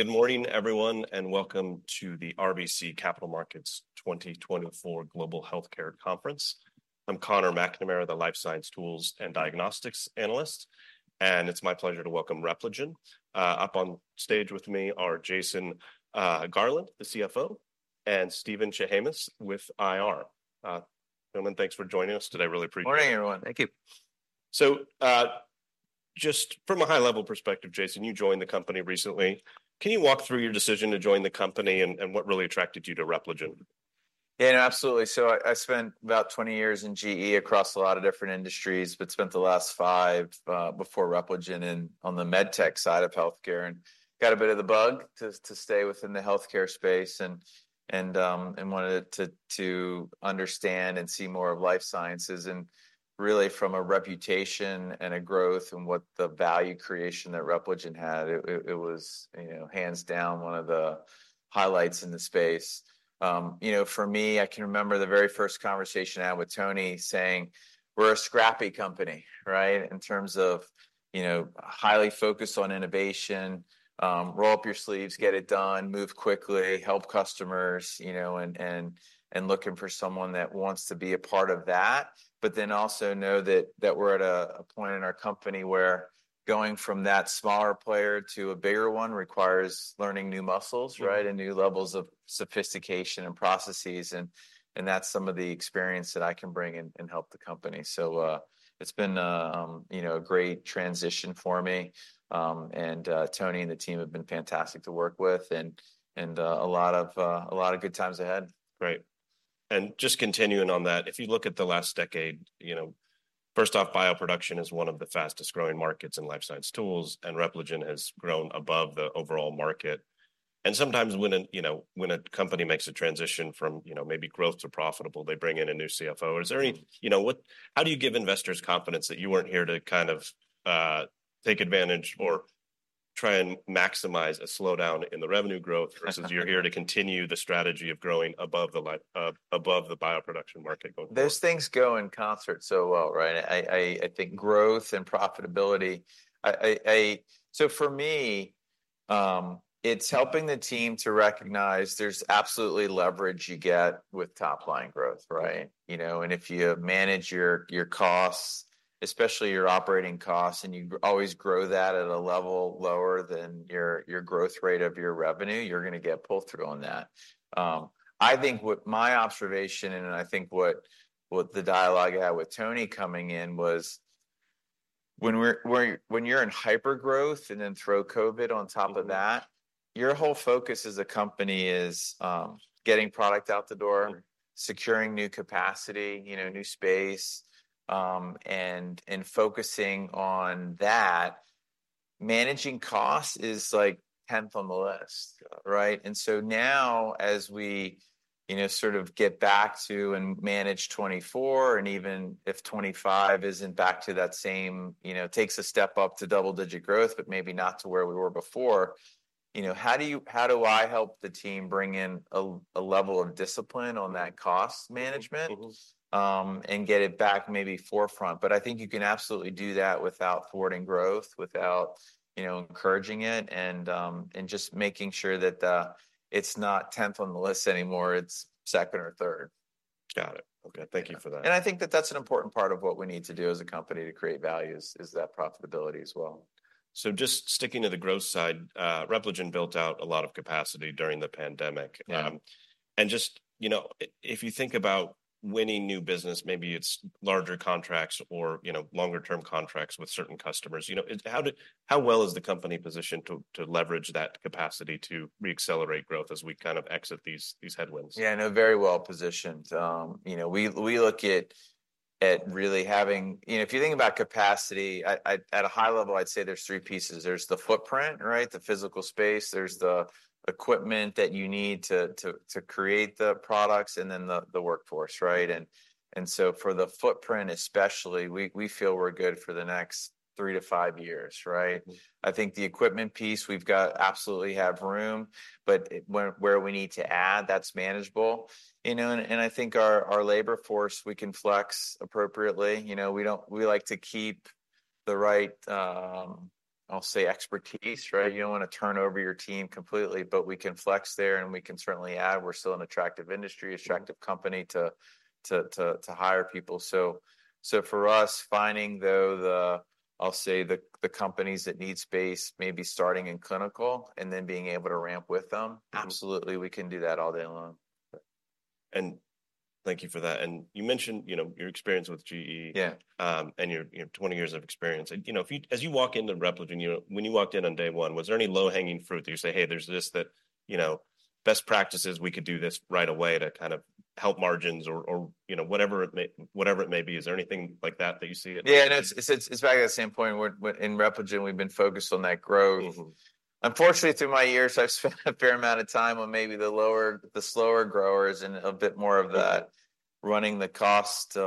Good morning, everyone, and welcome to the RBC Capital Markets 2024 Global Healthcare Conference. I'm Conor McNamara, the life science tools and diagnostics analyst, and it's my pleasure to welcome Repligen. Up on stage with me are Jason Garland, the CFO, and Steven Chehames with IR. Gentlemen, thanks for joining us today. Really appreciate it. Good morning, everyone. Thank you. So, just from a high-level perspective, Jason, you joined the company recently. Can you walk through your decision to join the company and what really attracted you to Repligen? Yeah, absolutely. So I spent about 20 years in GE across a lot of different industries, but spent the last five before Repligen in on the medtech side of healthcare and got a bit of the bug to stay within the healthcare space and wanted to understand and see more of life sciences, and really from a reputation and a growth and what the value creation that Repligen had, it was, you know, hands down one of the highlights in the space. You know, for me, I can remember the very first conversation I had with Tony saying: "We're a scrappy company," right? In terms of, you know, highly focused on innovation, roll up your sleeves, get it done, move quickly, help customers, you know, and, and, and looking for someone that wants to be a part of that, but then also know that, that we're at a, a point in our company where going from that smaller player to a bigger one requires learning new muscles, right? Mm-hmm. New levels of sophistication and processes, and that's some of the experience that I can bring and help the company. So, it's been, you know, a great transition for me. Tony and the team have been fantastic to work with and a lot of good times ahead. Great. And just continuing on that, if you look at the last decade, you know, first off, bioproduction is one of the fastest-growing markets in life science tools, and Repligen has grown above the overall market. And sometimes when, you know, when a company makes a transition from, you know, maybe growth to profitable, they bring in a new CFO. Mm-hmm. Is there any, you know, how do you give investors confidence that you weren't here to kind of take advantage or try and maximize a slowdown in the revenue growth versus you're here to continue the strategy of growing above the bioproduction market going forward? Those things go in concert so well, right? I think growth and profitability. So for me, it's helping the team to recognize there's absolutely leverage you get with top-line growth, right? You know, and if you manage your costs, especially your operating costs, and you always grow that at a level lower than your growth rate of your revenue, you're going to get pull-through on that. I think what my observation, and I think what the dialogue I had with Tony coming in, was when you're in hypergrowth and then throw COVID on top of that. Mm-hmm Your whole focus as a company is, getting product out the door securing new capacity, you know, new space, and focusing on that. Managing costs is, like, tenth on the list, right? Yeah. And so now, as we, you know, sort of get back to and manage 2024, and even if 2025 isn't back to that same, you know, takes a step up to double-digit growth, but maybe not to where we were before, you know, how do you-- how do I help the team bring in a level of discipline on that cost management Mm-hmm. and get it back maybe forefront? But I think you can absolutely do that without thwarting growth, without, you know, encouraging it and, and just making sure that, it's not tenth on the list anymore. It's second or third. Got it. Okay, thank you for that. I think that that's an important part of what we need to do as a company to create value is that profitability as well. So just sticking to the growth side, Repligen built out a lot of capacity during the pandemic. Yeah. And just, you know, if you think about winning new business, maybe it's larger contracts or, you know, longer-term contracts with certain customers, you know, how well is the company positioned to leverage that capacity to re-accelerate growth as we kind of exit these headwinds? Yeah, no, very well positioned. You know, we look at really having. You know, if you think about capacity at a high level, I'd say there's three pieces. There's the footprint, right? The physical space, there's the equipment that you need to create the products, and then the workforce, right? And so for the footprint especially, we feel we're good for the next three to five years, right? I think the equipment piece, we've got absolutely have room, but where, where we need to add, that's manageable. You know, and, and I think our, our labor force, we can flex appropriately. You know, we don't we like to keep the right, I'll say expertise, right? You don't want to turn over your team completely, but we can flex there, and we can certainly add. We're still an attractive industry attractive company to hire people. So, for us, finding those, I'll say, the companies that need space, maybe starting in clinical and then being able to ramp with them. Absolutely, we can do that all day long. Thank you for that. You mentioned, you know, your experience with GE. Yeah. Your 20 years of experience. You know, if you, as you walk into Repligen, you know, when you walked in on day one, was there any low-hanging fruit that you say, "Hey, there's this that, you know, best practices, we could do this right away to kind of help margins?" Or, or, you know, whatever it may, whatever it may be. Is there anything like that that you see in. Yeah, no, it's back at the same point, we're in Repligen, we've been focused on that growth. Mm-hmm. Unfortunately, through my years, I've spent a fair amount of time on maybe the lower, the slower growers and a bit more of that running the cost, you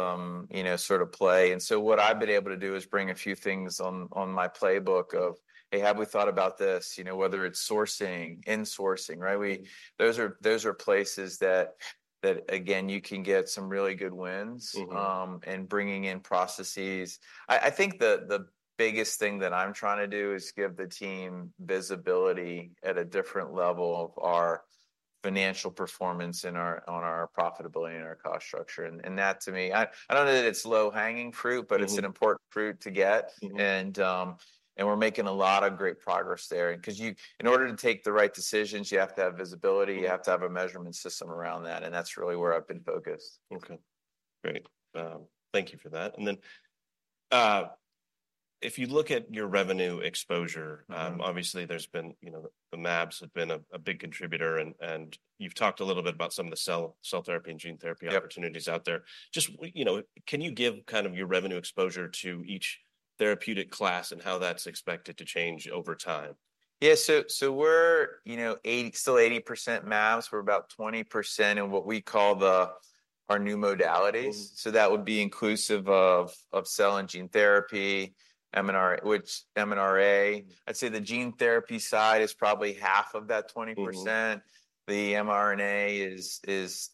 know, sort of play. And so what I've been able to do is bring a few things on, on my playbook of, "Hey, have we thought about this?" You know, whether it's sourcing, insourcing, right? Those are, those are places that, that, again, you can get some really good wins. Mm-hmm And bringing in processes. I think the biggest thing that I'm trying to do is give the team visibility at a different level of our, you know, financial performance on our profitability and our cost structure. And that to me, I don't know that it's low-hanging fruit but it's an important fruit to get. And we're making a lot of great progress there. 'Cause you, in order to take the right decisions, you have to have visibility You have to have a measurement system around that, and that's really where I've been focused. Okay. Great. Thank you for that. And then, if you look at your revenue exposure. Obviously, there's been, you know, the mAbs have been a big contributor, and you've talked a little bit about some of the cell therapy and gene therapy opportunities out there. Just, you know, can you give kind of your revenue exposure to each therapeutic class and how that's expected to change over time? Yeah, so we're, you know, still 80% mAbs. We're about 20% in what we call our new modalities. So that would be inclusive of cell and gene therapy, mRNA, which mRNA I'd say the gene therapy side is probably half of that 20%. The mRNA is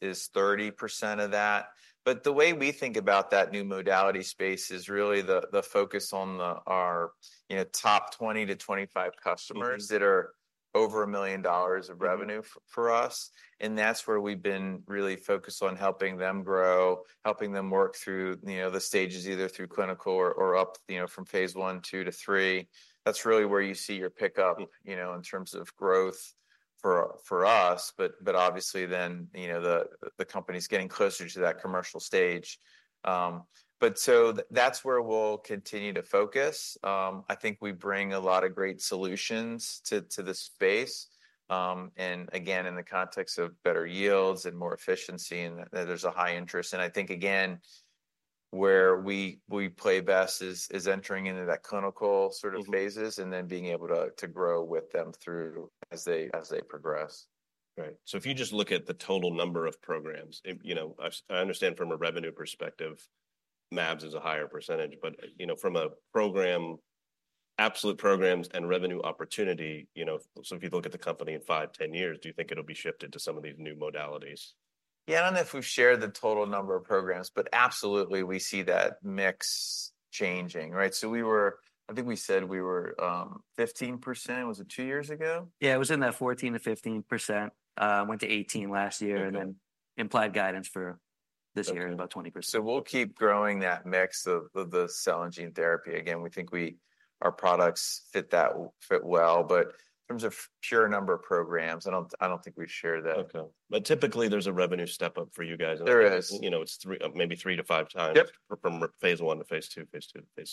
30% of that. But the way we think about that new modality space is really the focus on our, you know, top 20-25 customers that are over $1 million of revenue for us, and that's where we've been really focused on helping them grow, helping them work through, you know, the stages, either through clinical or up, you know, Phase I, II to III. That's really where you see your picku, you know, in terms of growth for us. But obviously then, you know, the company's getting closer to that commercial stage. But so that's where we'll continue to focus. I think we bring a lot of great solutions to the space, and again, in the context of better yields and more efficiency, and there's a high interest. And I think, again, where we play best is entering into that clinical ssort of phase and then being able to grow with them through as they progress. Right. So if you just look at the total number of programs, you know, I understand from a revenue perspective, mAbs is a higher percentage, but, you know, from a program, absolute programs and revenue opportunity, you know, so if you look at the company in five, 10 years, do you think it'll be shifted to some of these new modalities? Yeah, I don't know if we've shared the total number of programs, but absolutely, we see that mix changing, right? So we were I think we said we were, 15%. Was it two years ago? Yeah, it was in that 14%-15%. Went to 18% last year and then implied guidance for this year. Okay is about 20%. So we'll keep growing that mix of the, the cell and gene therapy. Again, we think we, our products fit that, fit well, but in terms of pure number of programs, I don't, I don't think we've shared that. Okay. But typically there's a revenue step-up for you guys. There is. You know, it's 3, maybe 3-5x Yep. from Phase I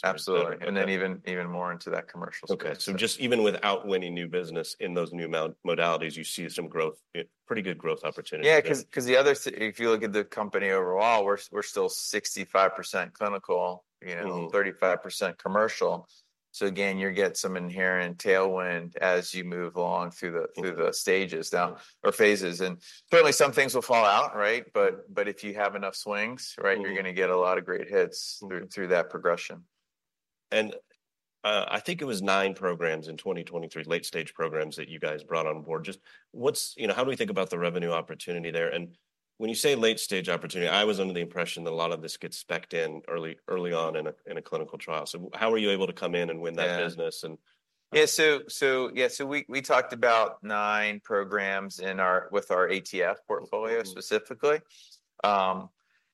Absolutely. Okay. And then even more into that commercial space. Okay, so just even without winning new business in those new modalities, you see some growth, pretty good growth opportunity? Yeah, 'cause if you look at the company overall, we're still 65% clinical, you know, 35% commercial. So again, you get some inherent tailwind as you move along through the through the stages down, or phases. And certainly, some things will fall out, right? But if you have enough swings, right, you're going to get a lot of great hits through that progression. I think it was 9 programs in 2023, late-stage programs that you guys brought on board. Just what's, you know, how do we think about the revenue opportunity there? When you say late-stage opportunity, I was under the impression that a lot of this gets spec'd in early, early on in a clinical trial. How are you able to come in and win that business? Yeah, so we talked about nine programs in our ATF portfolio specifically.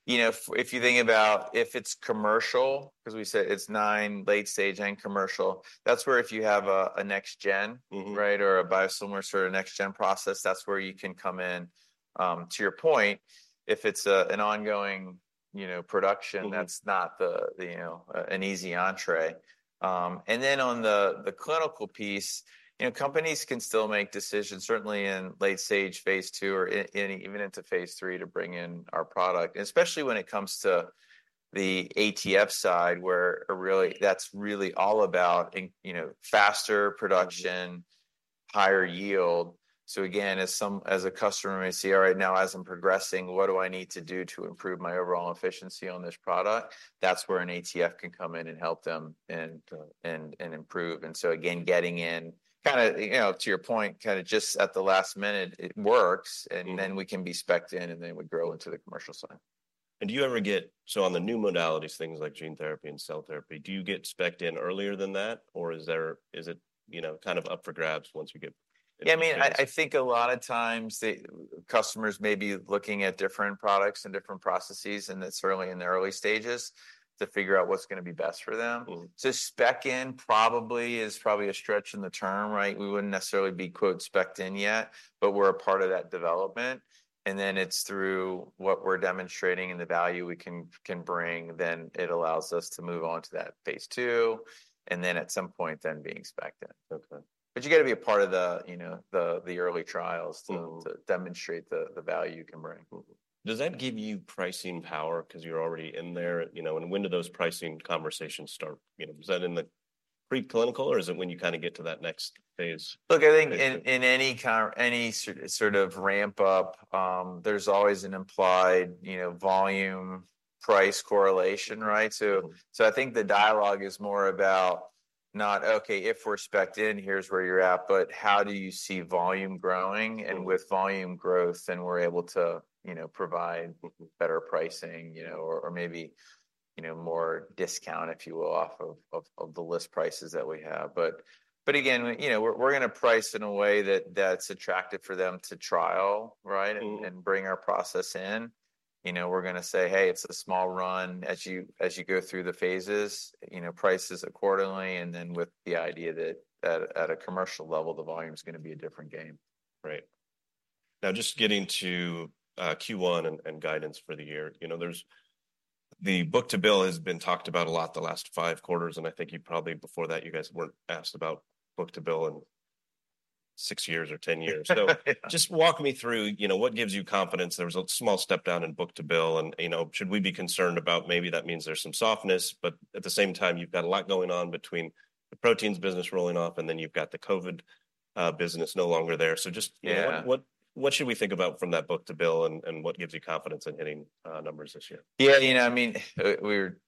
You know, if you think about if it's commercial, because we said it's nine late-stage and commercial, that's where if you have a next gen right, or a biosimilar sort of next gen process, that's where you can come in. To your point, if it's, an ongoing, you know, production that's not the, you know, an easy entrée. And then on the clinical piece, you know, companies can still make decisions, certainly Phase III, to bring in our product, and especially when it comes to the ATF side, where really, that's really all about, you know, faster production higher yield. So again, as a customer may say, "All right, now, as I'm progressing, what do I need to do to improve my overall efficiency on this product?" That's where an ATF can come in and help them and improve. And so again, getting in, kind of, you know, to your point, kind of just at the last minute, it works and then we can be spec'd in, and then we grow into the commercial side. So on the new modalities, things like gene therapy and cell therapy, do you get spec'd in earlier than that, or is it, you know, kind of up for grabs once you get? Yeah, I mean, I think a lot of times the customers may be looking at different products and different processes, and that's certainly in the early stages, to figure out what's going to be best for them. To spec in probably is probably a stretch in the term, right? We wouldn't necessarily be, quote, "spec'd in" yet, but we're a part of that development, and then it's through what we're demonstrating and the value we can bring, then it allows us to move on Phase II, and then at some point then being spec'd in. Okay. You've got to be a part of the, you know, the early trials to demonstrate the value you can bring. Does that give you pricing power because you're already in there, you know? When do those pricing conversations start? You know, is that in the preclinical, or is it when you kind of get to that next phase? Look, I think in any kind or any sort of ramp up, there's always an implied, you know, volume-price correlation, right? So, so I think the dialogue is more about not, "Okay, if we're spec'd in, here's where you're at," but: How do you see volume growing? With volume growth, then we're able to, you know, provide better pricing, you know, or maybe, you know, more discount, if you will, off of the list prices that we have. But again, you know, we're gonna price in a way that's attractive for them to trial, right and bring our process in. You know, we're gonna say, "Hey, it's a small run." As you go through the phases, you know, prices accordingly, and then with the idea that at a commercial level, the volume's gonna be a different game. Right. Now, just getting to Q1 and guidance for the year. You know, there's the book-to-bill has been talked about a lot the last five quarters, and I think you probably, before that, you guys weren't asked about book-to-bill in six years or 10 years. So just walk me through, you know, what gives you confidence? There was a small step down in book-to-bill, and, you know, should we be concerned about maybe that means there's some softness, but at the same time, you've got a lot going on between the proteins business rolling off, and then you've got the COVID business no longer there. So just Yeah. What should we think about from that book-to-bill, and what gives you confidence in hitting numbers this year? Yeah, you know, I mean, we were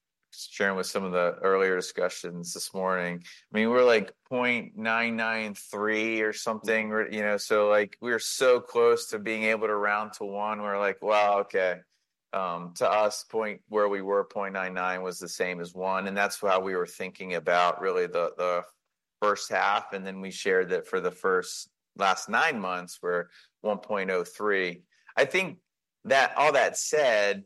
sharing with some of the earlier discussions this morning. I mean, we're like 0.993 or something, or, you know, so, like, we're so close to being able to round to 1. We're like, "Wow, okay." To us, point where we were, 0.99, was the same as 1, and that's how we were thinking about really the first half, and then we shared that for the first last nine months, we're 1.03. I think that all that said,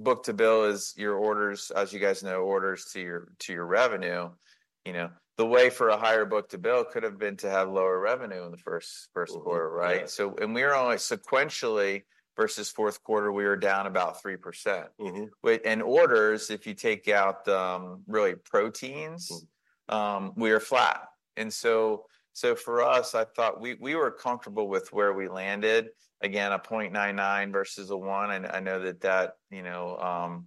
I mean, really, it's book-to-bill is your orders, as you guys know, orders to your revenue. You know, the way for a higher book-to-bill could have been to have lower revenue in the first quarter right? So, and we are only sequentially, versus fourth quarter, we were down about 3%. Within orders, if you take out, really, proteins we are flat. And so for us, I thought we were comfortable with where we landed. Again, 0.99 versus 1, and I know that, you know,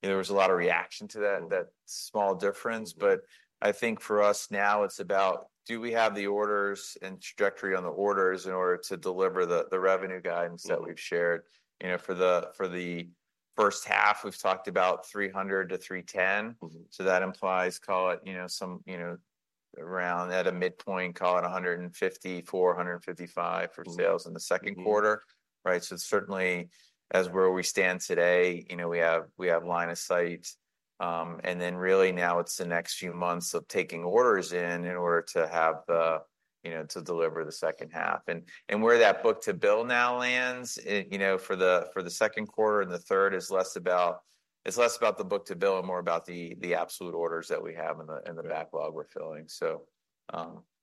there was a lot of reaction to that that small difference. But I think for us now, it's about: Do we have the orders and trajectory on the orders in order to deliver the revenue guidance that we've shared? You know, for the first half, we've talked about $300-$310. So that implies, call it, you know, some, you know, around at a midpoint, call it 154-155 for sales in the second quarter. Right, so certainly, as where we stand today, you know, we have line of sight, and then really now it's the next few months of taking orders, in order to have, you know, to deliver the second half. And where that book-to-bill now lands, it, you know, for the second quarter and the third is less about, it's less about the book-to-bill and more about the absolute orders that we have in the in the backlog we're filling. So,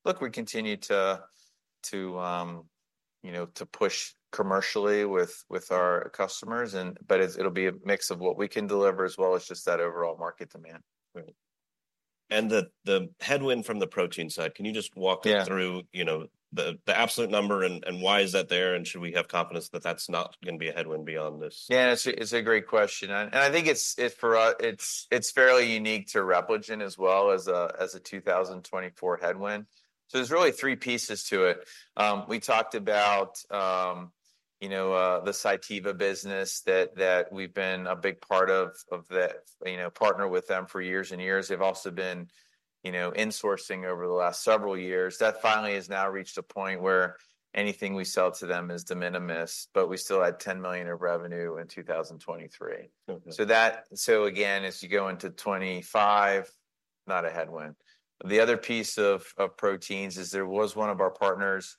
look, we continue to, you know, push commercially with our customers, and but it's- it'll be a mix of what we can deliver as well as just that overall market demand. Right. And the headwind from the protein side, can you just walk me through, you know, the absolute number, and why is that there, and should we have confidence that that's not gonna be a headwind beyond this? Yeah, it's a great question, and I think it's fairly unique to Repligen as well as a 2024 headwind. So there's really three pieces to it. We talked about, you know, the Cytiva business that we've been a big part of that- you know, partner with them for years and years. They've also been, you know, insourcing over the last several years. That finally has now reached a point where anything we sell to them is de minimis, but we still had $10 million of revenue in 2023. So again, as you go into 2025, not a headwind. The other piece of proteins is there was one of our partners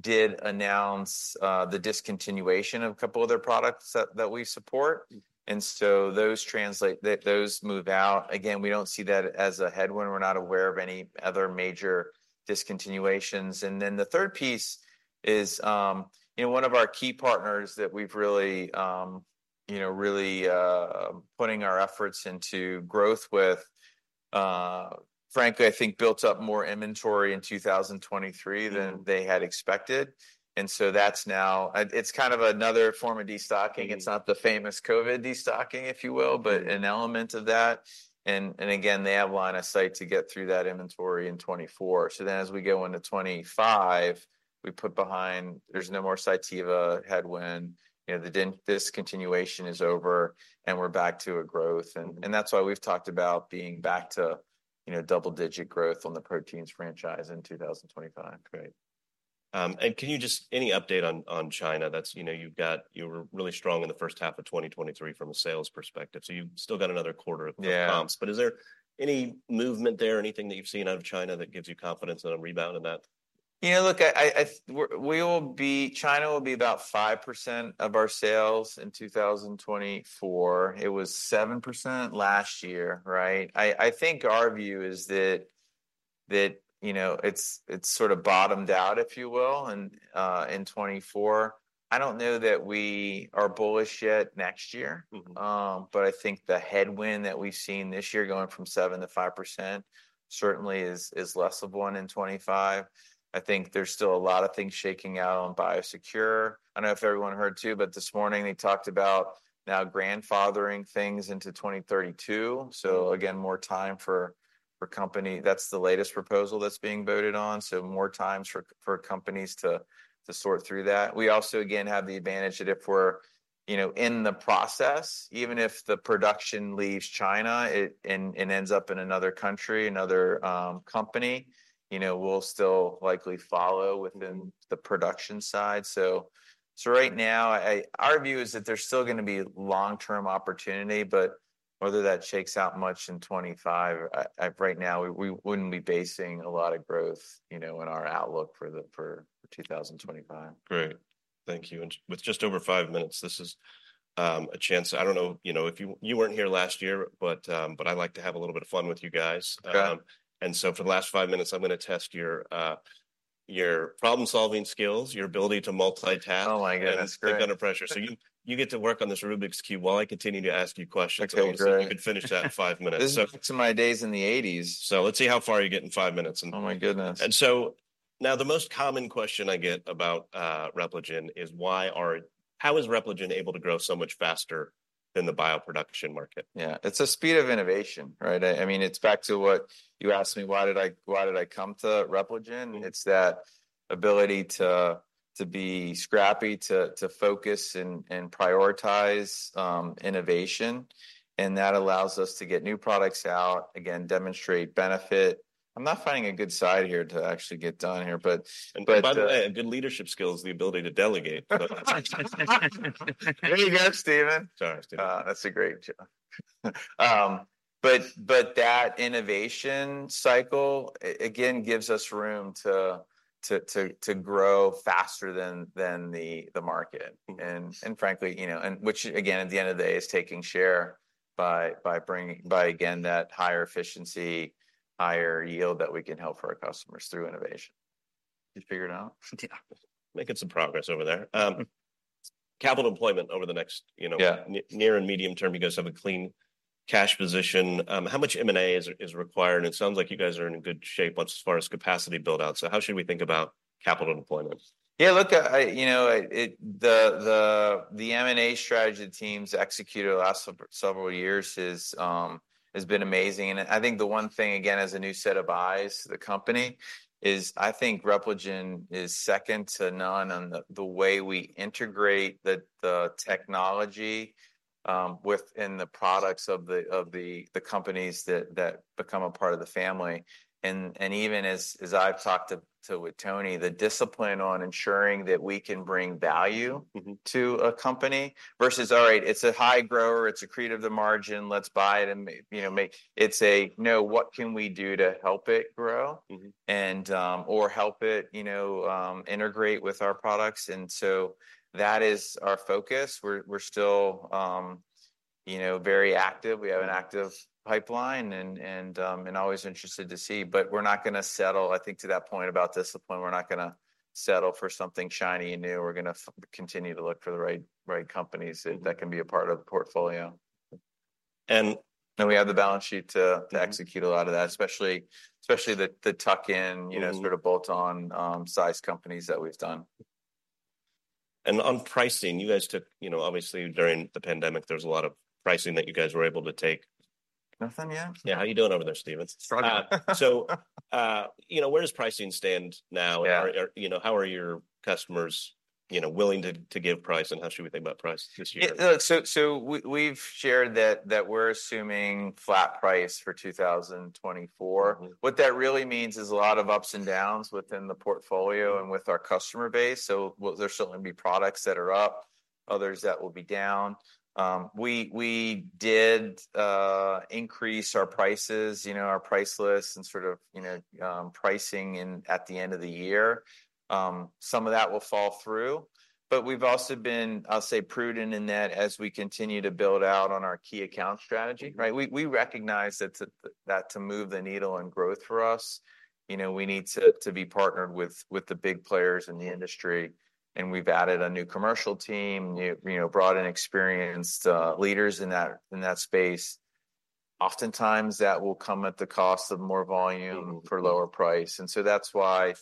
did announce the discontinuation of a couple of their products that we support. And so those move out. Again, we don't see that as a headwind. We're not aware of any other major discontinuations. And then the third piece is, you know, one of our key partners that we've really, you know, really putting our efforts into growth with, frankly, I think, built up more inventory in 2023 than they had expected, and so that's now. It's kind of another form of destocking. It's not the famous COVID destocking, if you will but an element of that, and, and again, they have line of sight to get through that inventory in 2024. So then as we go into 2025, we put behind, there's no more Cytiva headwind, you know, the discontinuation is over, and we're back to a growth. And that's why we've talked about being back to, you know, double-digit growth on the proteins franchise in 2025. Great. And can you just any update on, on China? That's, you know, you've got- you were really strong in the first half of 2023 from a sales perspective, so you've still got another quarter of comps, but is there any movement there or anything that you've seen out of China that gives you confidence in a rebound in that? Yeah, look, we will be. China will be about 5% of our sales in 2024. It was 7% last year, right? I think our view is that, you know, it's sort of bottomed out, if you will, in 2024. I don't know that we are bullish yet next year. But I think the headwind that we've seen this year, going from 7%-5%, certainly is less of one in 2025. I think there's still a lot of things shaking out on BIOSECURE. I don't know if everyone heard, too, but this morning, they talked about now grandfathering things into 2032. So again, more time for companies—that's the latest proposal that's being voted on, so more time for companies to sort through that. We also, again, have the advantage that if we're, you know, in the process, even if the production leaves China, it and ends up in another country, another company, you know, we'll still likely follow within .the production side. So right now, our view is that there's still gonna be long-term opportunity, but whether that shakes out much in 2025, right now, we wouldn't be basing a lot of growth, you know, in our outlook for 2025. Great. Thank you. With just over five minutes, this is a chance. I don't know, you know, if you weren't here last year, but I like to have a little bit of fun with you guys. For the last five minutes, I'm going to test your problem-solving skills, your ability to multitask Oh, my goodness, great! under pressure. So you, you get to work on this Rubik's Cube while I continue to ask you questions. Okay, great, So you can finish that in five minutes. So This takes me to my days in the 1980s. So let's see how far you get in five minutes. Oh, my goodness. And so now the most common question I get about Repligen is how is Repligen able to grow so much faster than the bioproduction market? Yeah, it's the speed of innovation, right? I mean, it's back to what you asked me, why did I come to Repligen? It's that ability to be scrappy, to focus and prioritize innovation, and that allows us to get new products out, again, demonstrate benefit. I'm not finding a good side here to actually get done here, but, By the way, good leadership skill is the ability to delegate. There you go, Steven. Sorry, Steven. That's a great job. But that innovation cycle again gives us room to grow faster than the market. And frankly, you know, which, again, at the end of the day, is taking share by bringing by, again, that higher efficiency, higher yield that we can help our customers through innovation. Did you figure it out? Making some progress over there. Capital deployment over the next, you know, near and medium term, you guys have a clean cash position. How much M&A is required? It sounds like you guys are in good shape as far as capacity build-out, so how should we think about capital deployment? Yeah, look, you know, the M&A strategy the team's executed the last several years is has been amazing. And I think the one thing, again, as a new set of eyes to the company, is I think Repligen is second to none in the way we integrate the technology within the products of the companies that become a part of the family. And even as I've talked with Tony, the discipline on ensuring that we can bring value to a company versus, "All right, it's a high grower, it's accretive to margin, let's buy it," and you know, It's a, "No, what can we do to help it grow? And or help it, you know, integrate with our products, and so that is our focus. We're still, you know, very active. We have an active pipeline and always interested to see. But we're not going to settle, I think, to that point about discipline, we're not going to settle for something shiny and new. We're going to continue to look for the right, right companies that can be a part of the portfolio. We have the balance sheet to execute a lot of that, especially the tuck-in, you know, sort of bolt-on, size companies that we've done. On pricing, you guys took, you know, obviously, during the pandemic, there was a lot of pricing that you guys were able to take. Nothing yet? Yeah. How are you doing over there, Steven? Struggling. You know, where does pricing stand now? You know, how are your customers, you know, willing to give price, and how should we think about price this year? Yeah. So we've shared that we're assuming flat price for 2024 What that really means is a lot of ups and downs within the portfolio and with our customer base. So there's still going to be products that are up, others that will be down. We did increase our prices, you know, our price lists and sort of, you know, pricing in at the end of the year. Some of that will fall through, but we've also been, I'll say, prudent in that as we continue to build out on our key account strategy, right? We recognize that to move the needle on growth for us, you know, we need to be partnered with the big players in the industry. And we've added a new commercial team, you know, brought in experienced leaders in that space. Oftentimes, that will come at the cost of more volume for lower price. So that's why,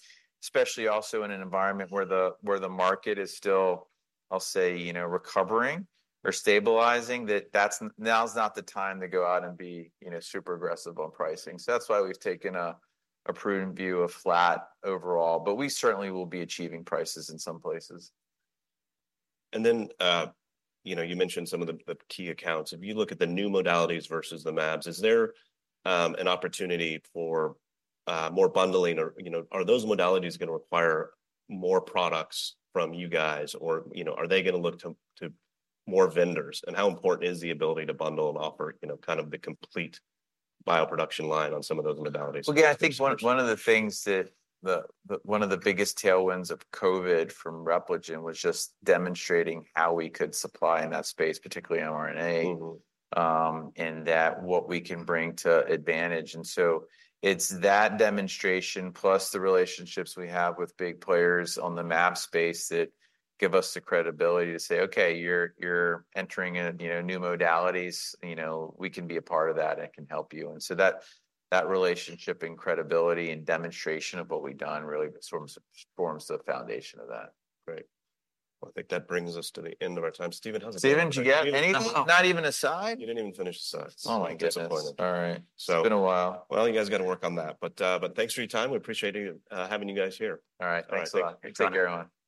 especially also in an environment where the market is still, I'll say, you know, recovering or stabilizing, that's now's not the time to go out and be, you know, super aggressive on pricing. So that's why we've taken a prudent view of flat overall, but we certainly will be achieving prices in some places. And then, you know, you mentioned some of the, the key accounts. If you look at the new modalities versus the mAbs, is there an opportunity for more bundling? Or, you know, are those modalities going to require more products from you guys or, you know, are they going to look to, to more vendors? And how important is the ability to bundle and offer, you know, kind of the complete bioproduction line on some of those modalities? Well, yeah, I think one of the biggest tailwinds of COVID from Repligen was just demonstrating how we could supply in that space, particularly mRNA. And that's what we can bring to advantage. And so it's that demonstration, plus the relationships we have with big players on the mAbs space, that give us the credibility to say, "Okay, you're entering in, you know, new modalities. You know, we can be a part of that and can help you." And so that relationship and credibility and demonstration of what we've done really sort of forms the foundation of that. Great. Well, I think that brings us to the end of our time. Steven, how's it going? Steven, did you get anything? Not even a side? You didn't even finish the sides. Oh, my goodness! Disappointing. All right. It's been a while. Well, you guys got to work on that. But thanks for your time. We appreciate you having you guys here. All right. Thanks a lot. Thanks. Everyone.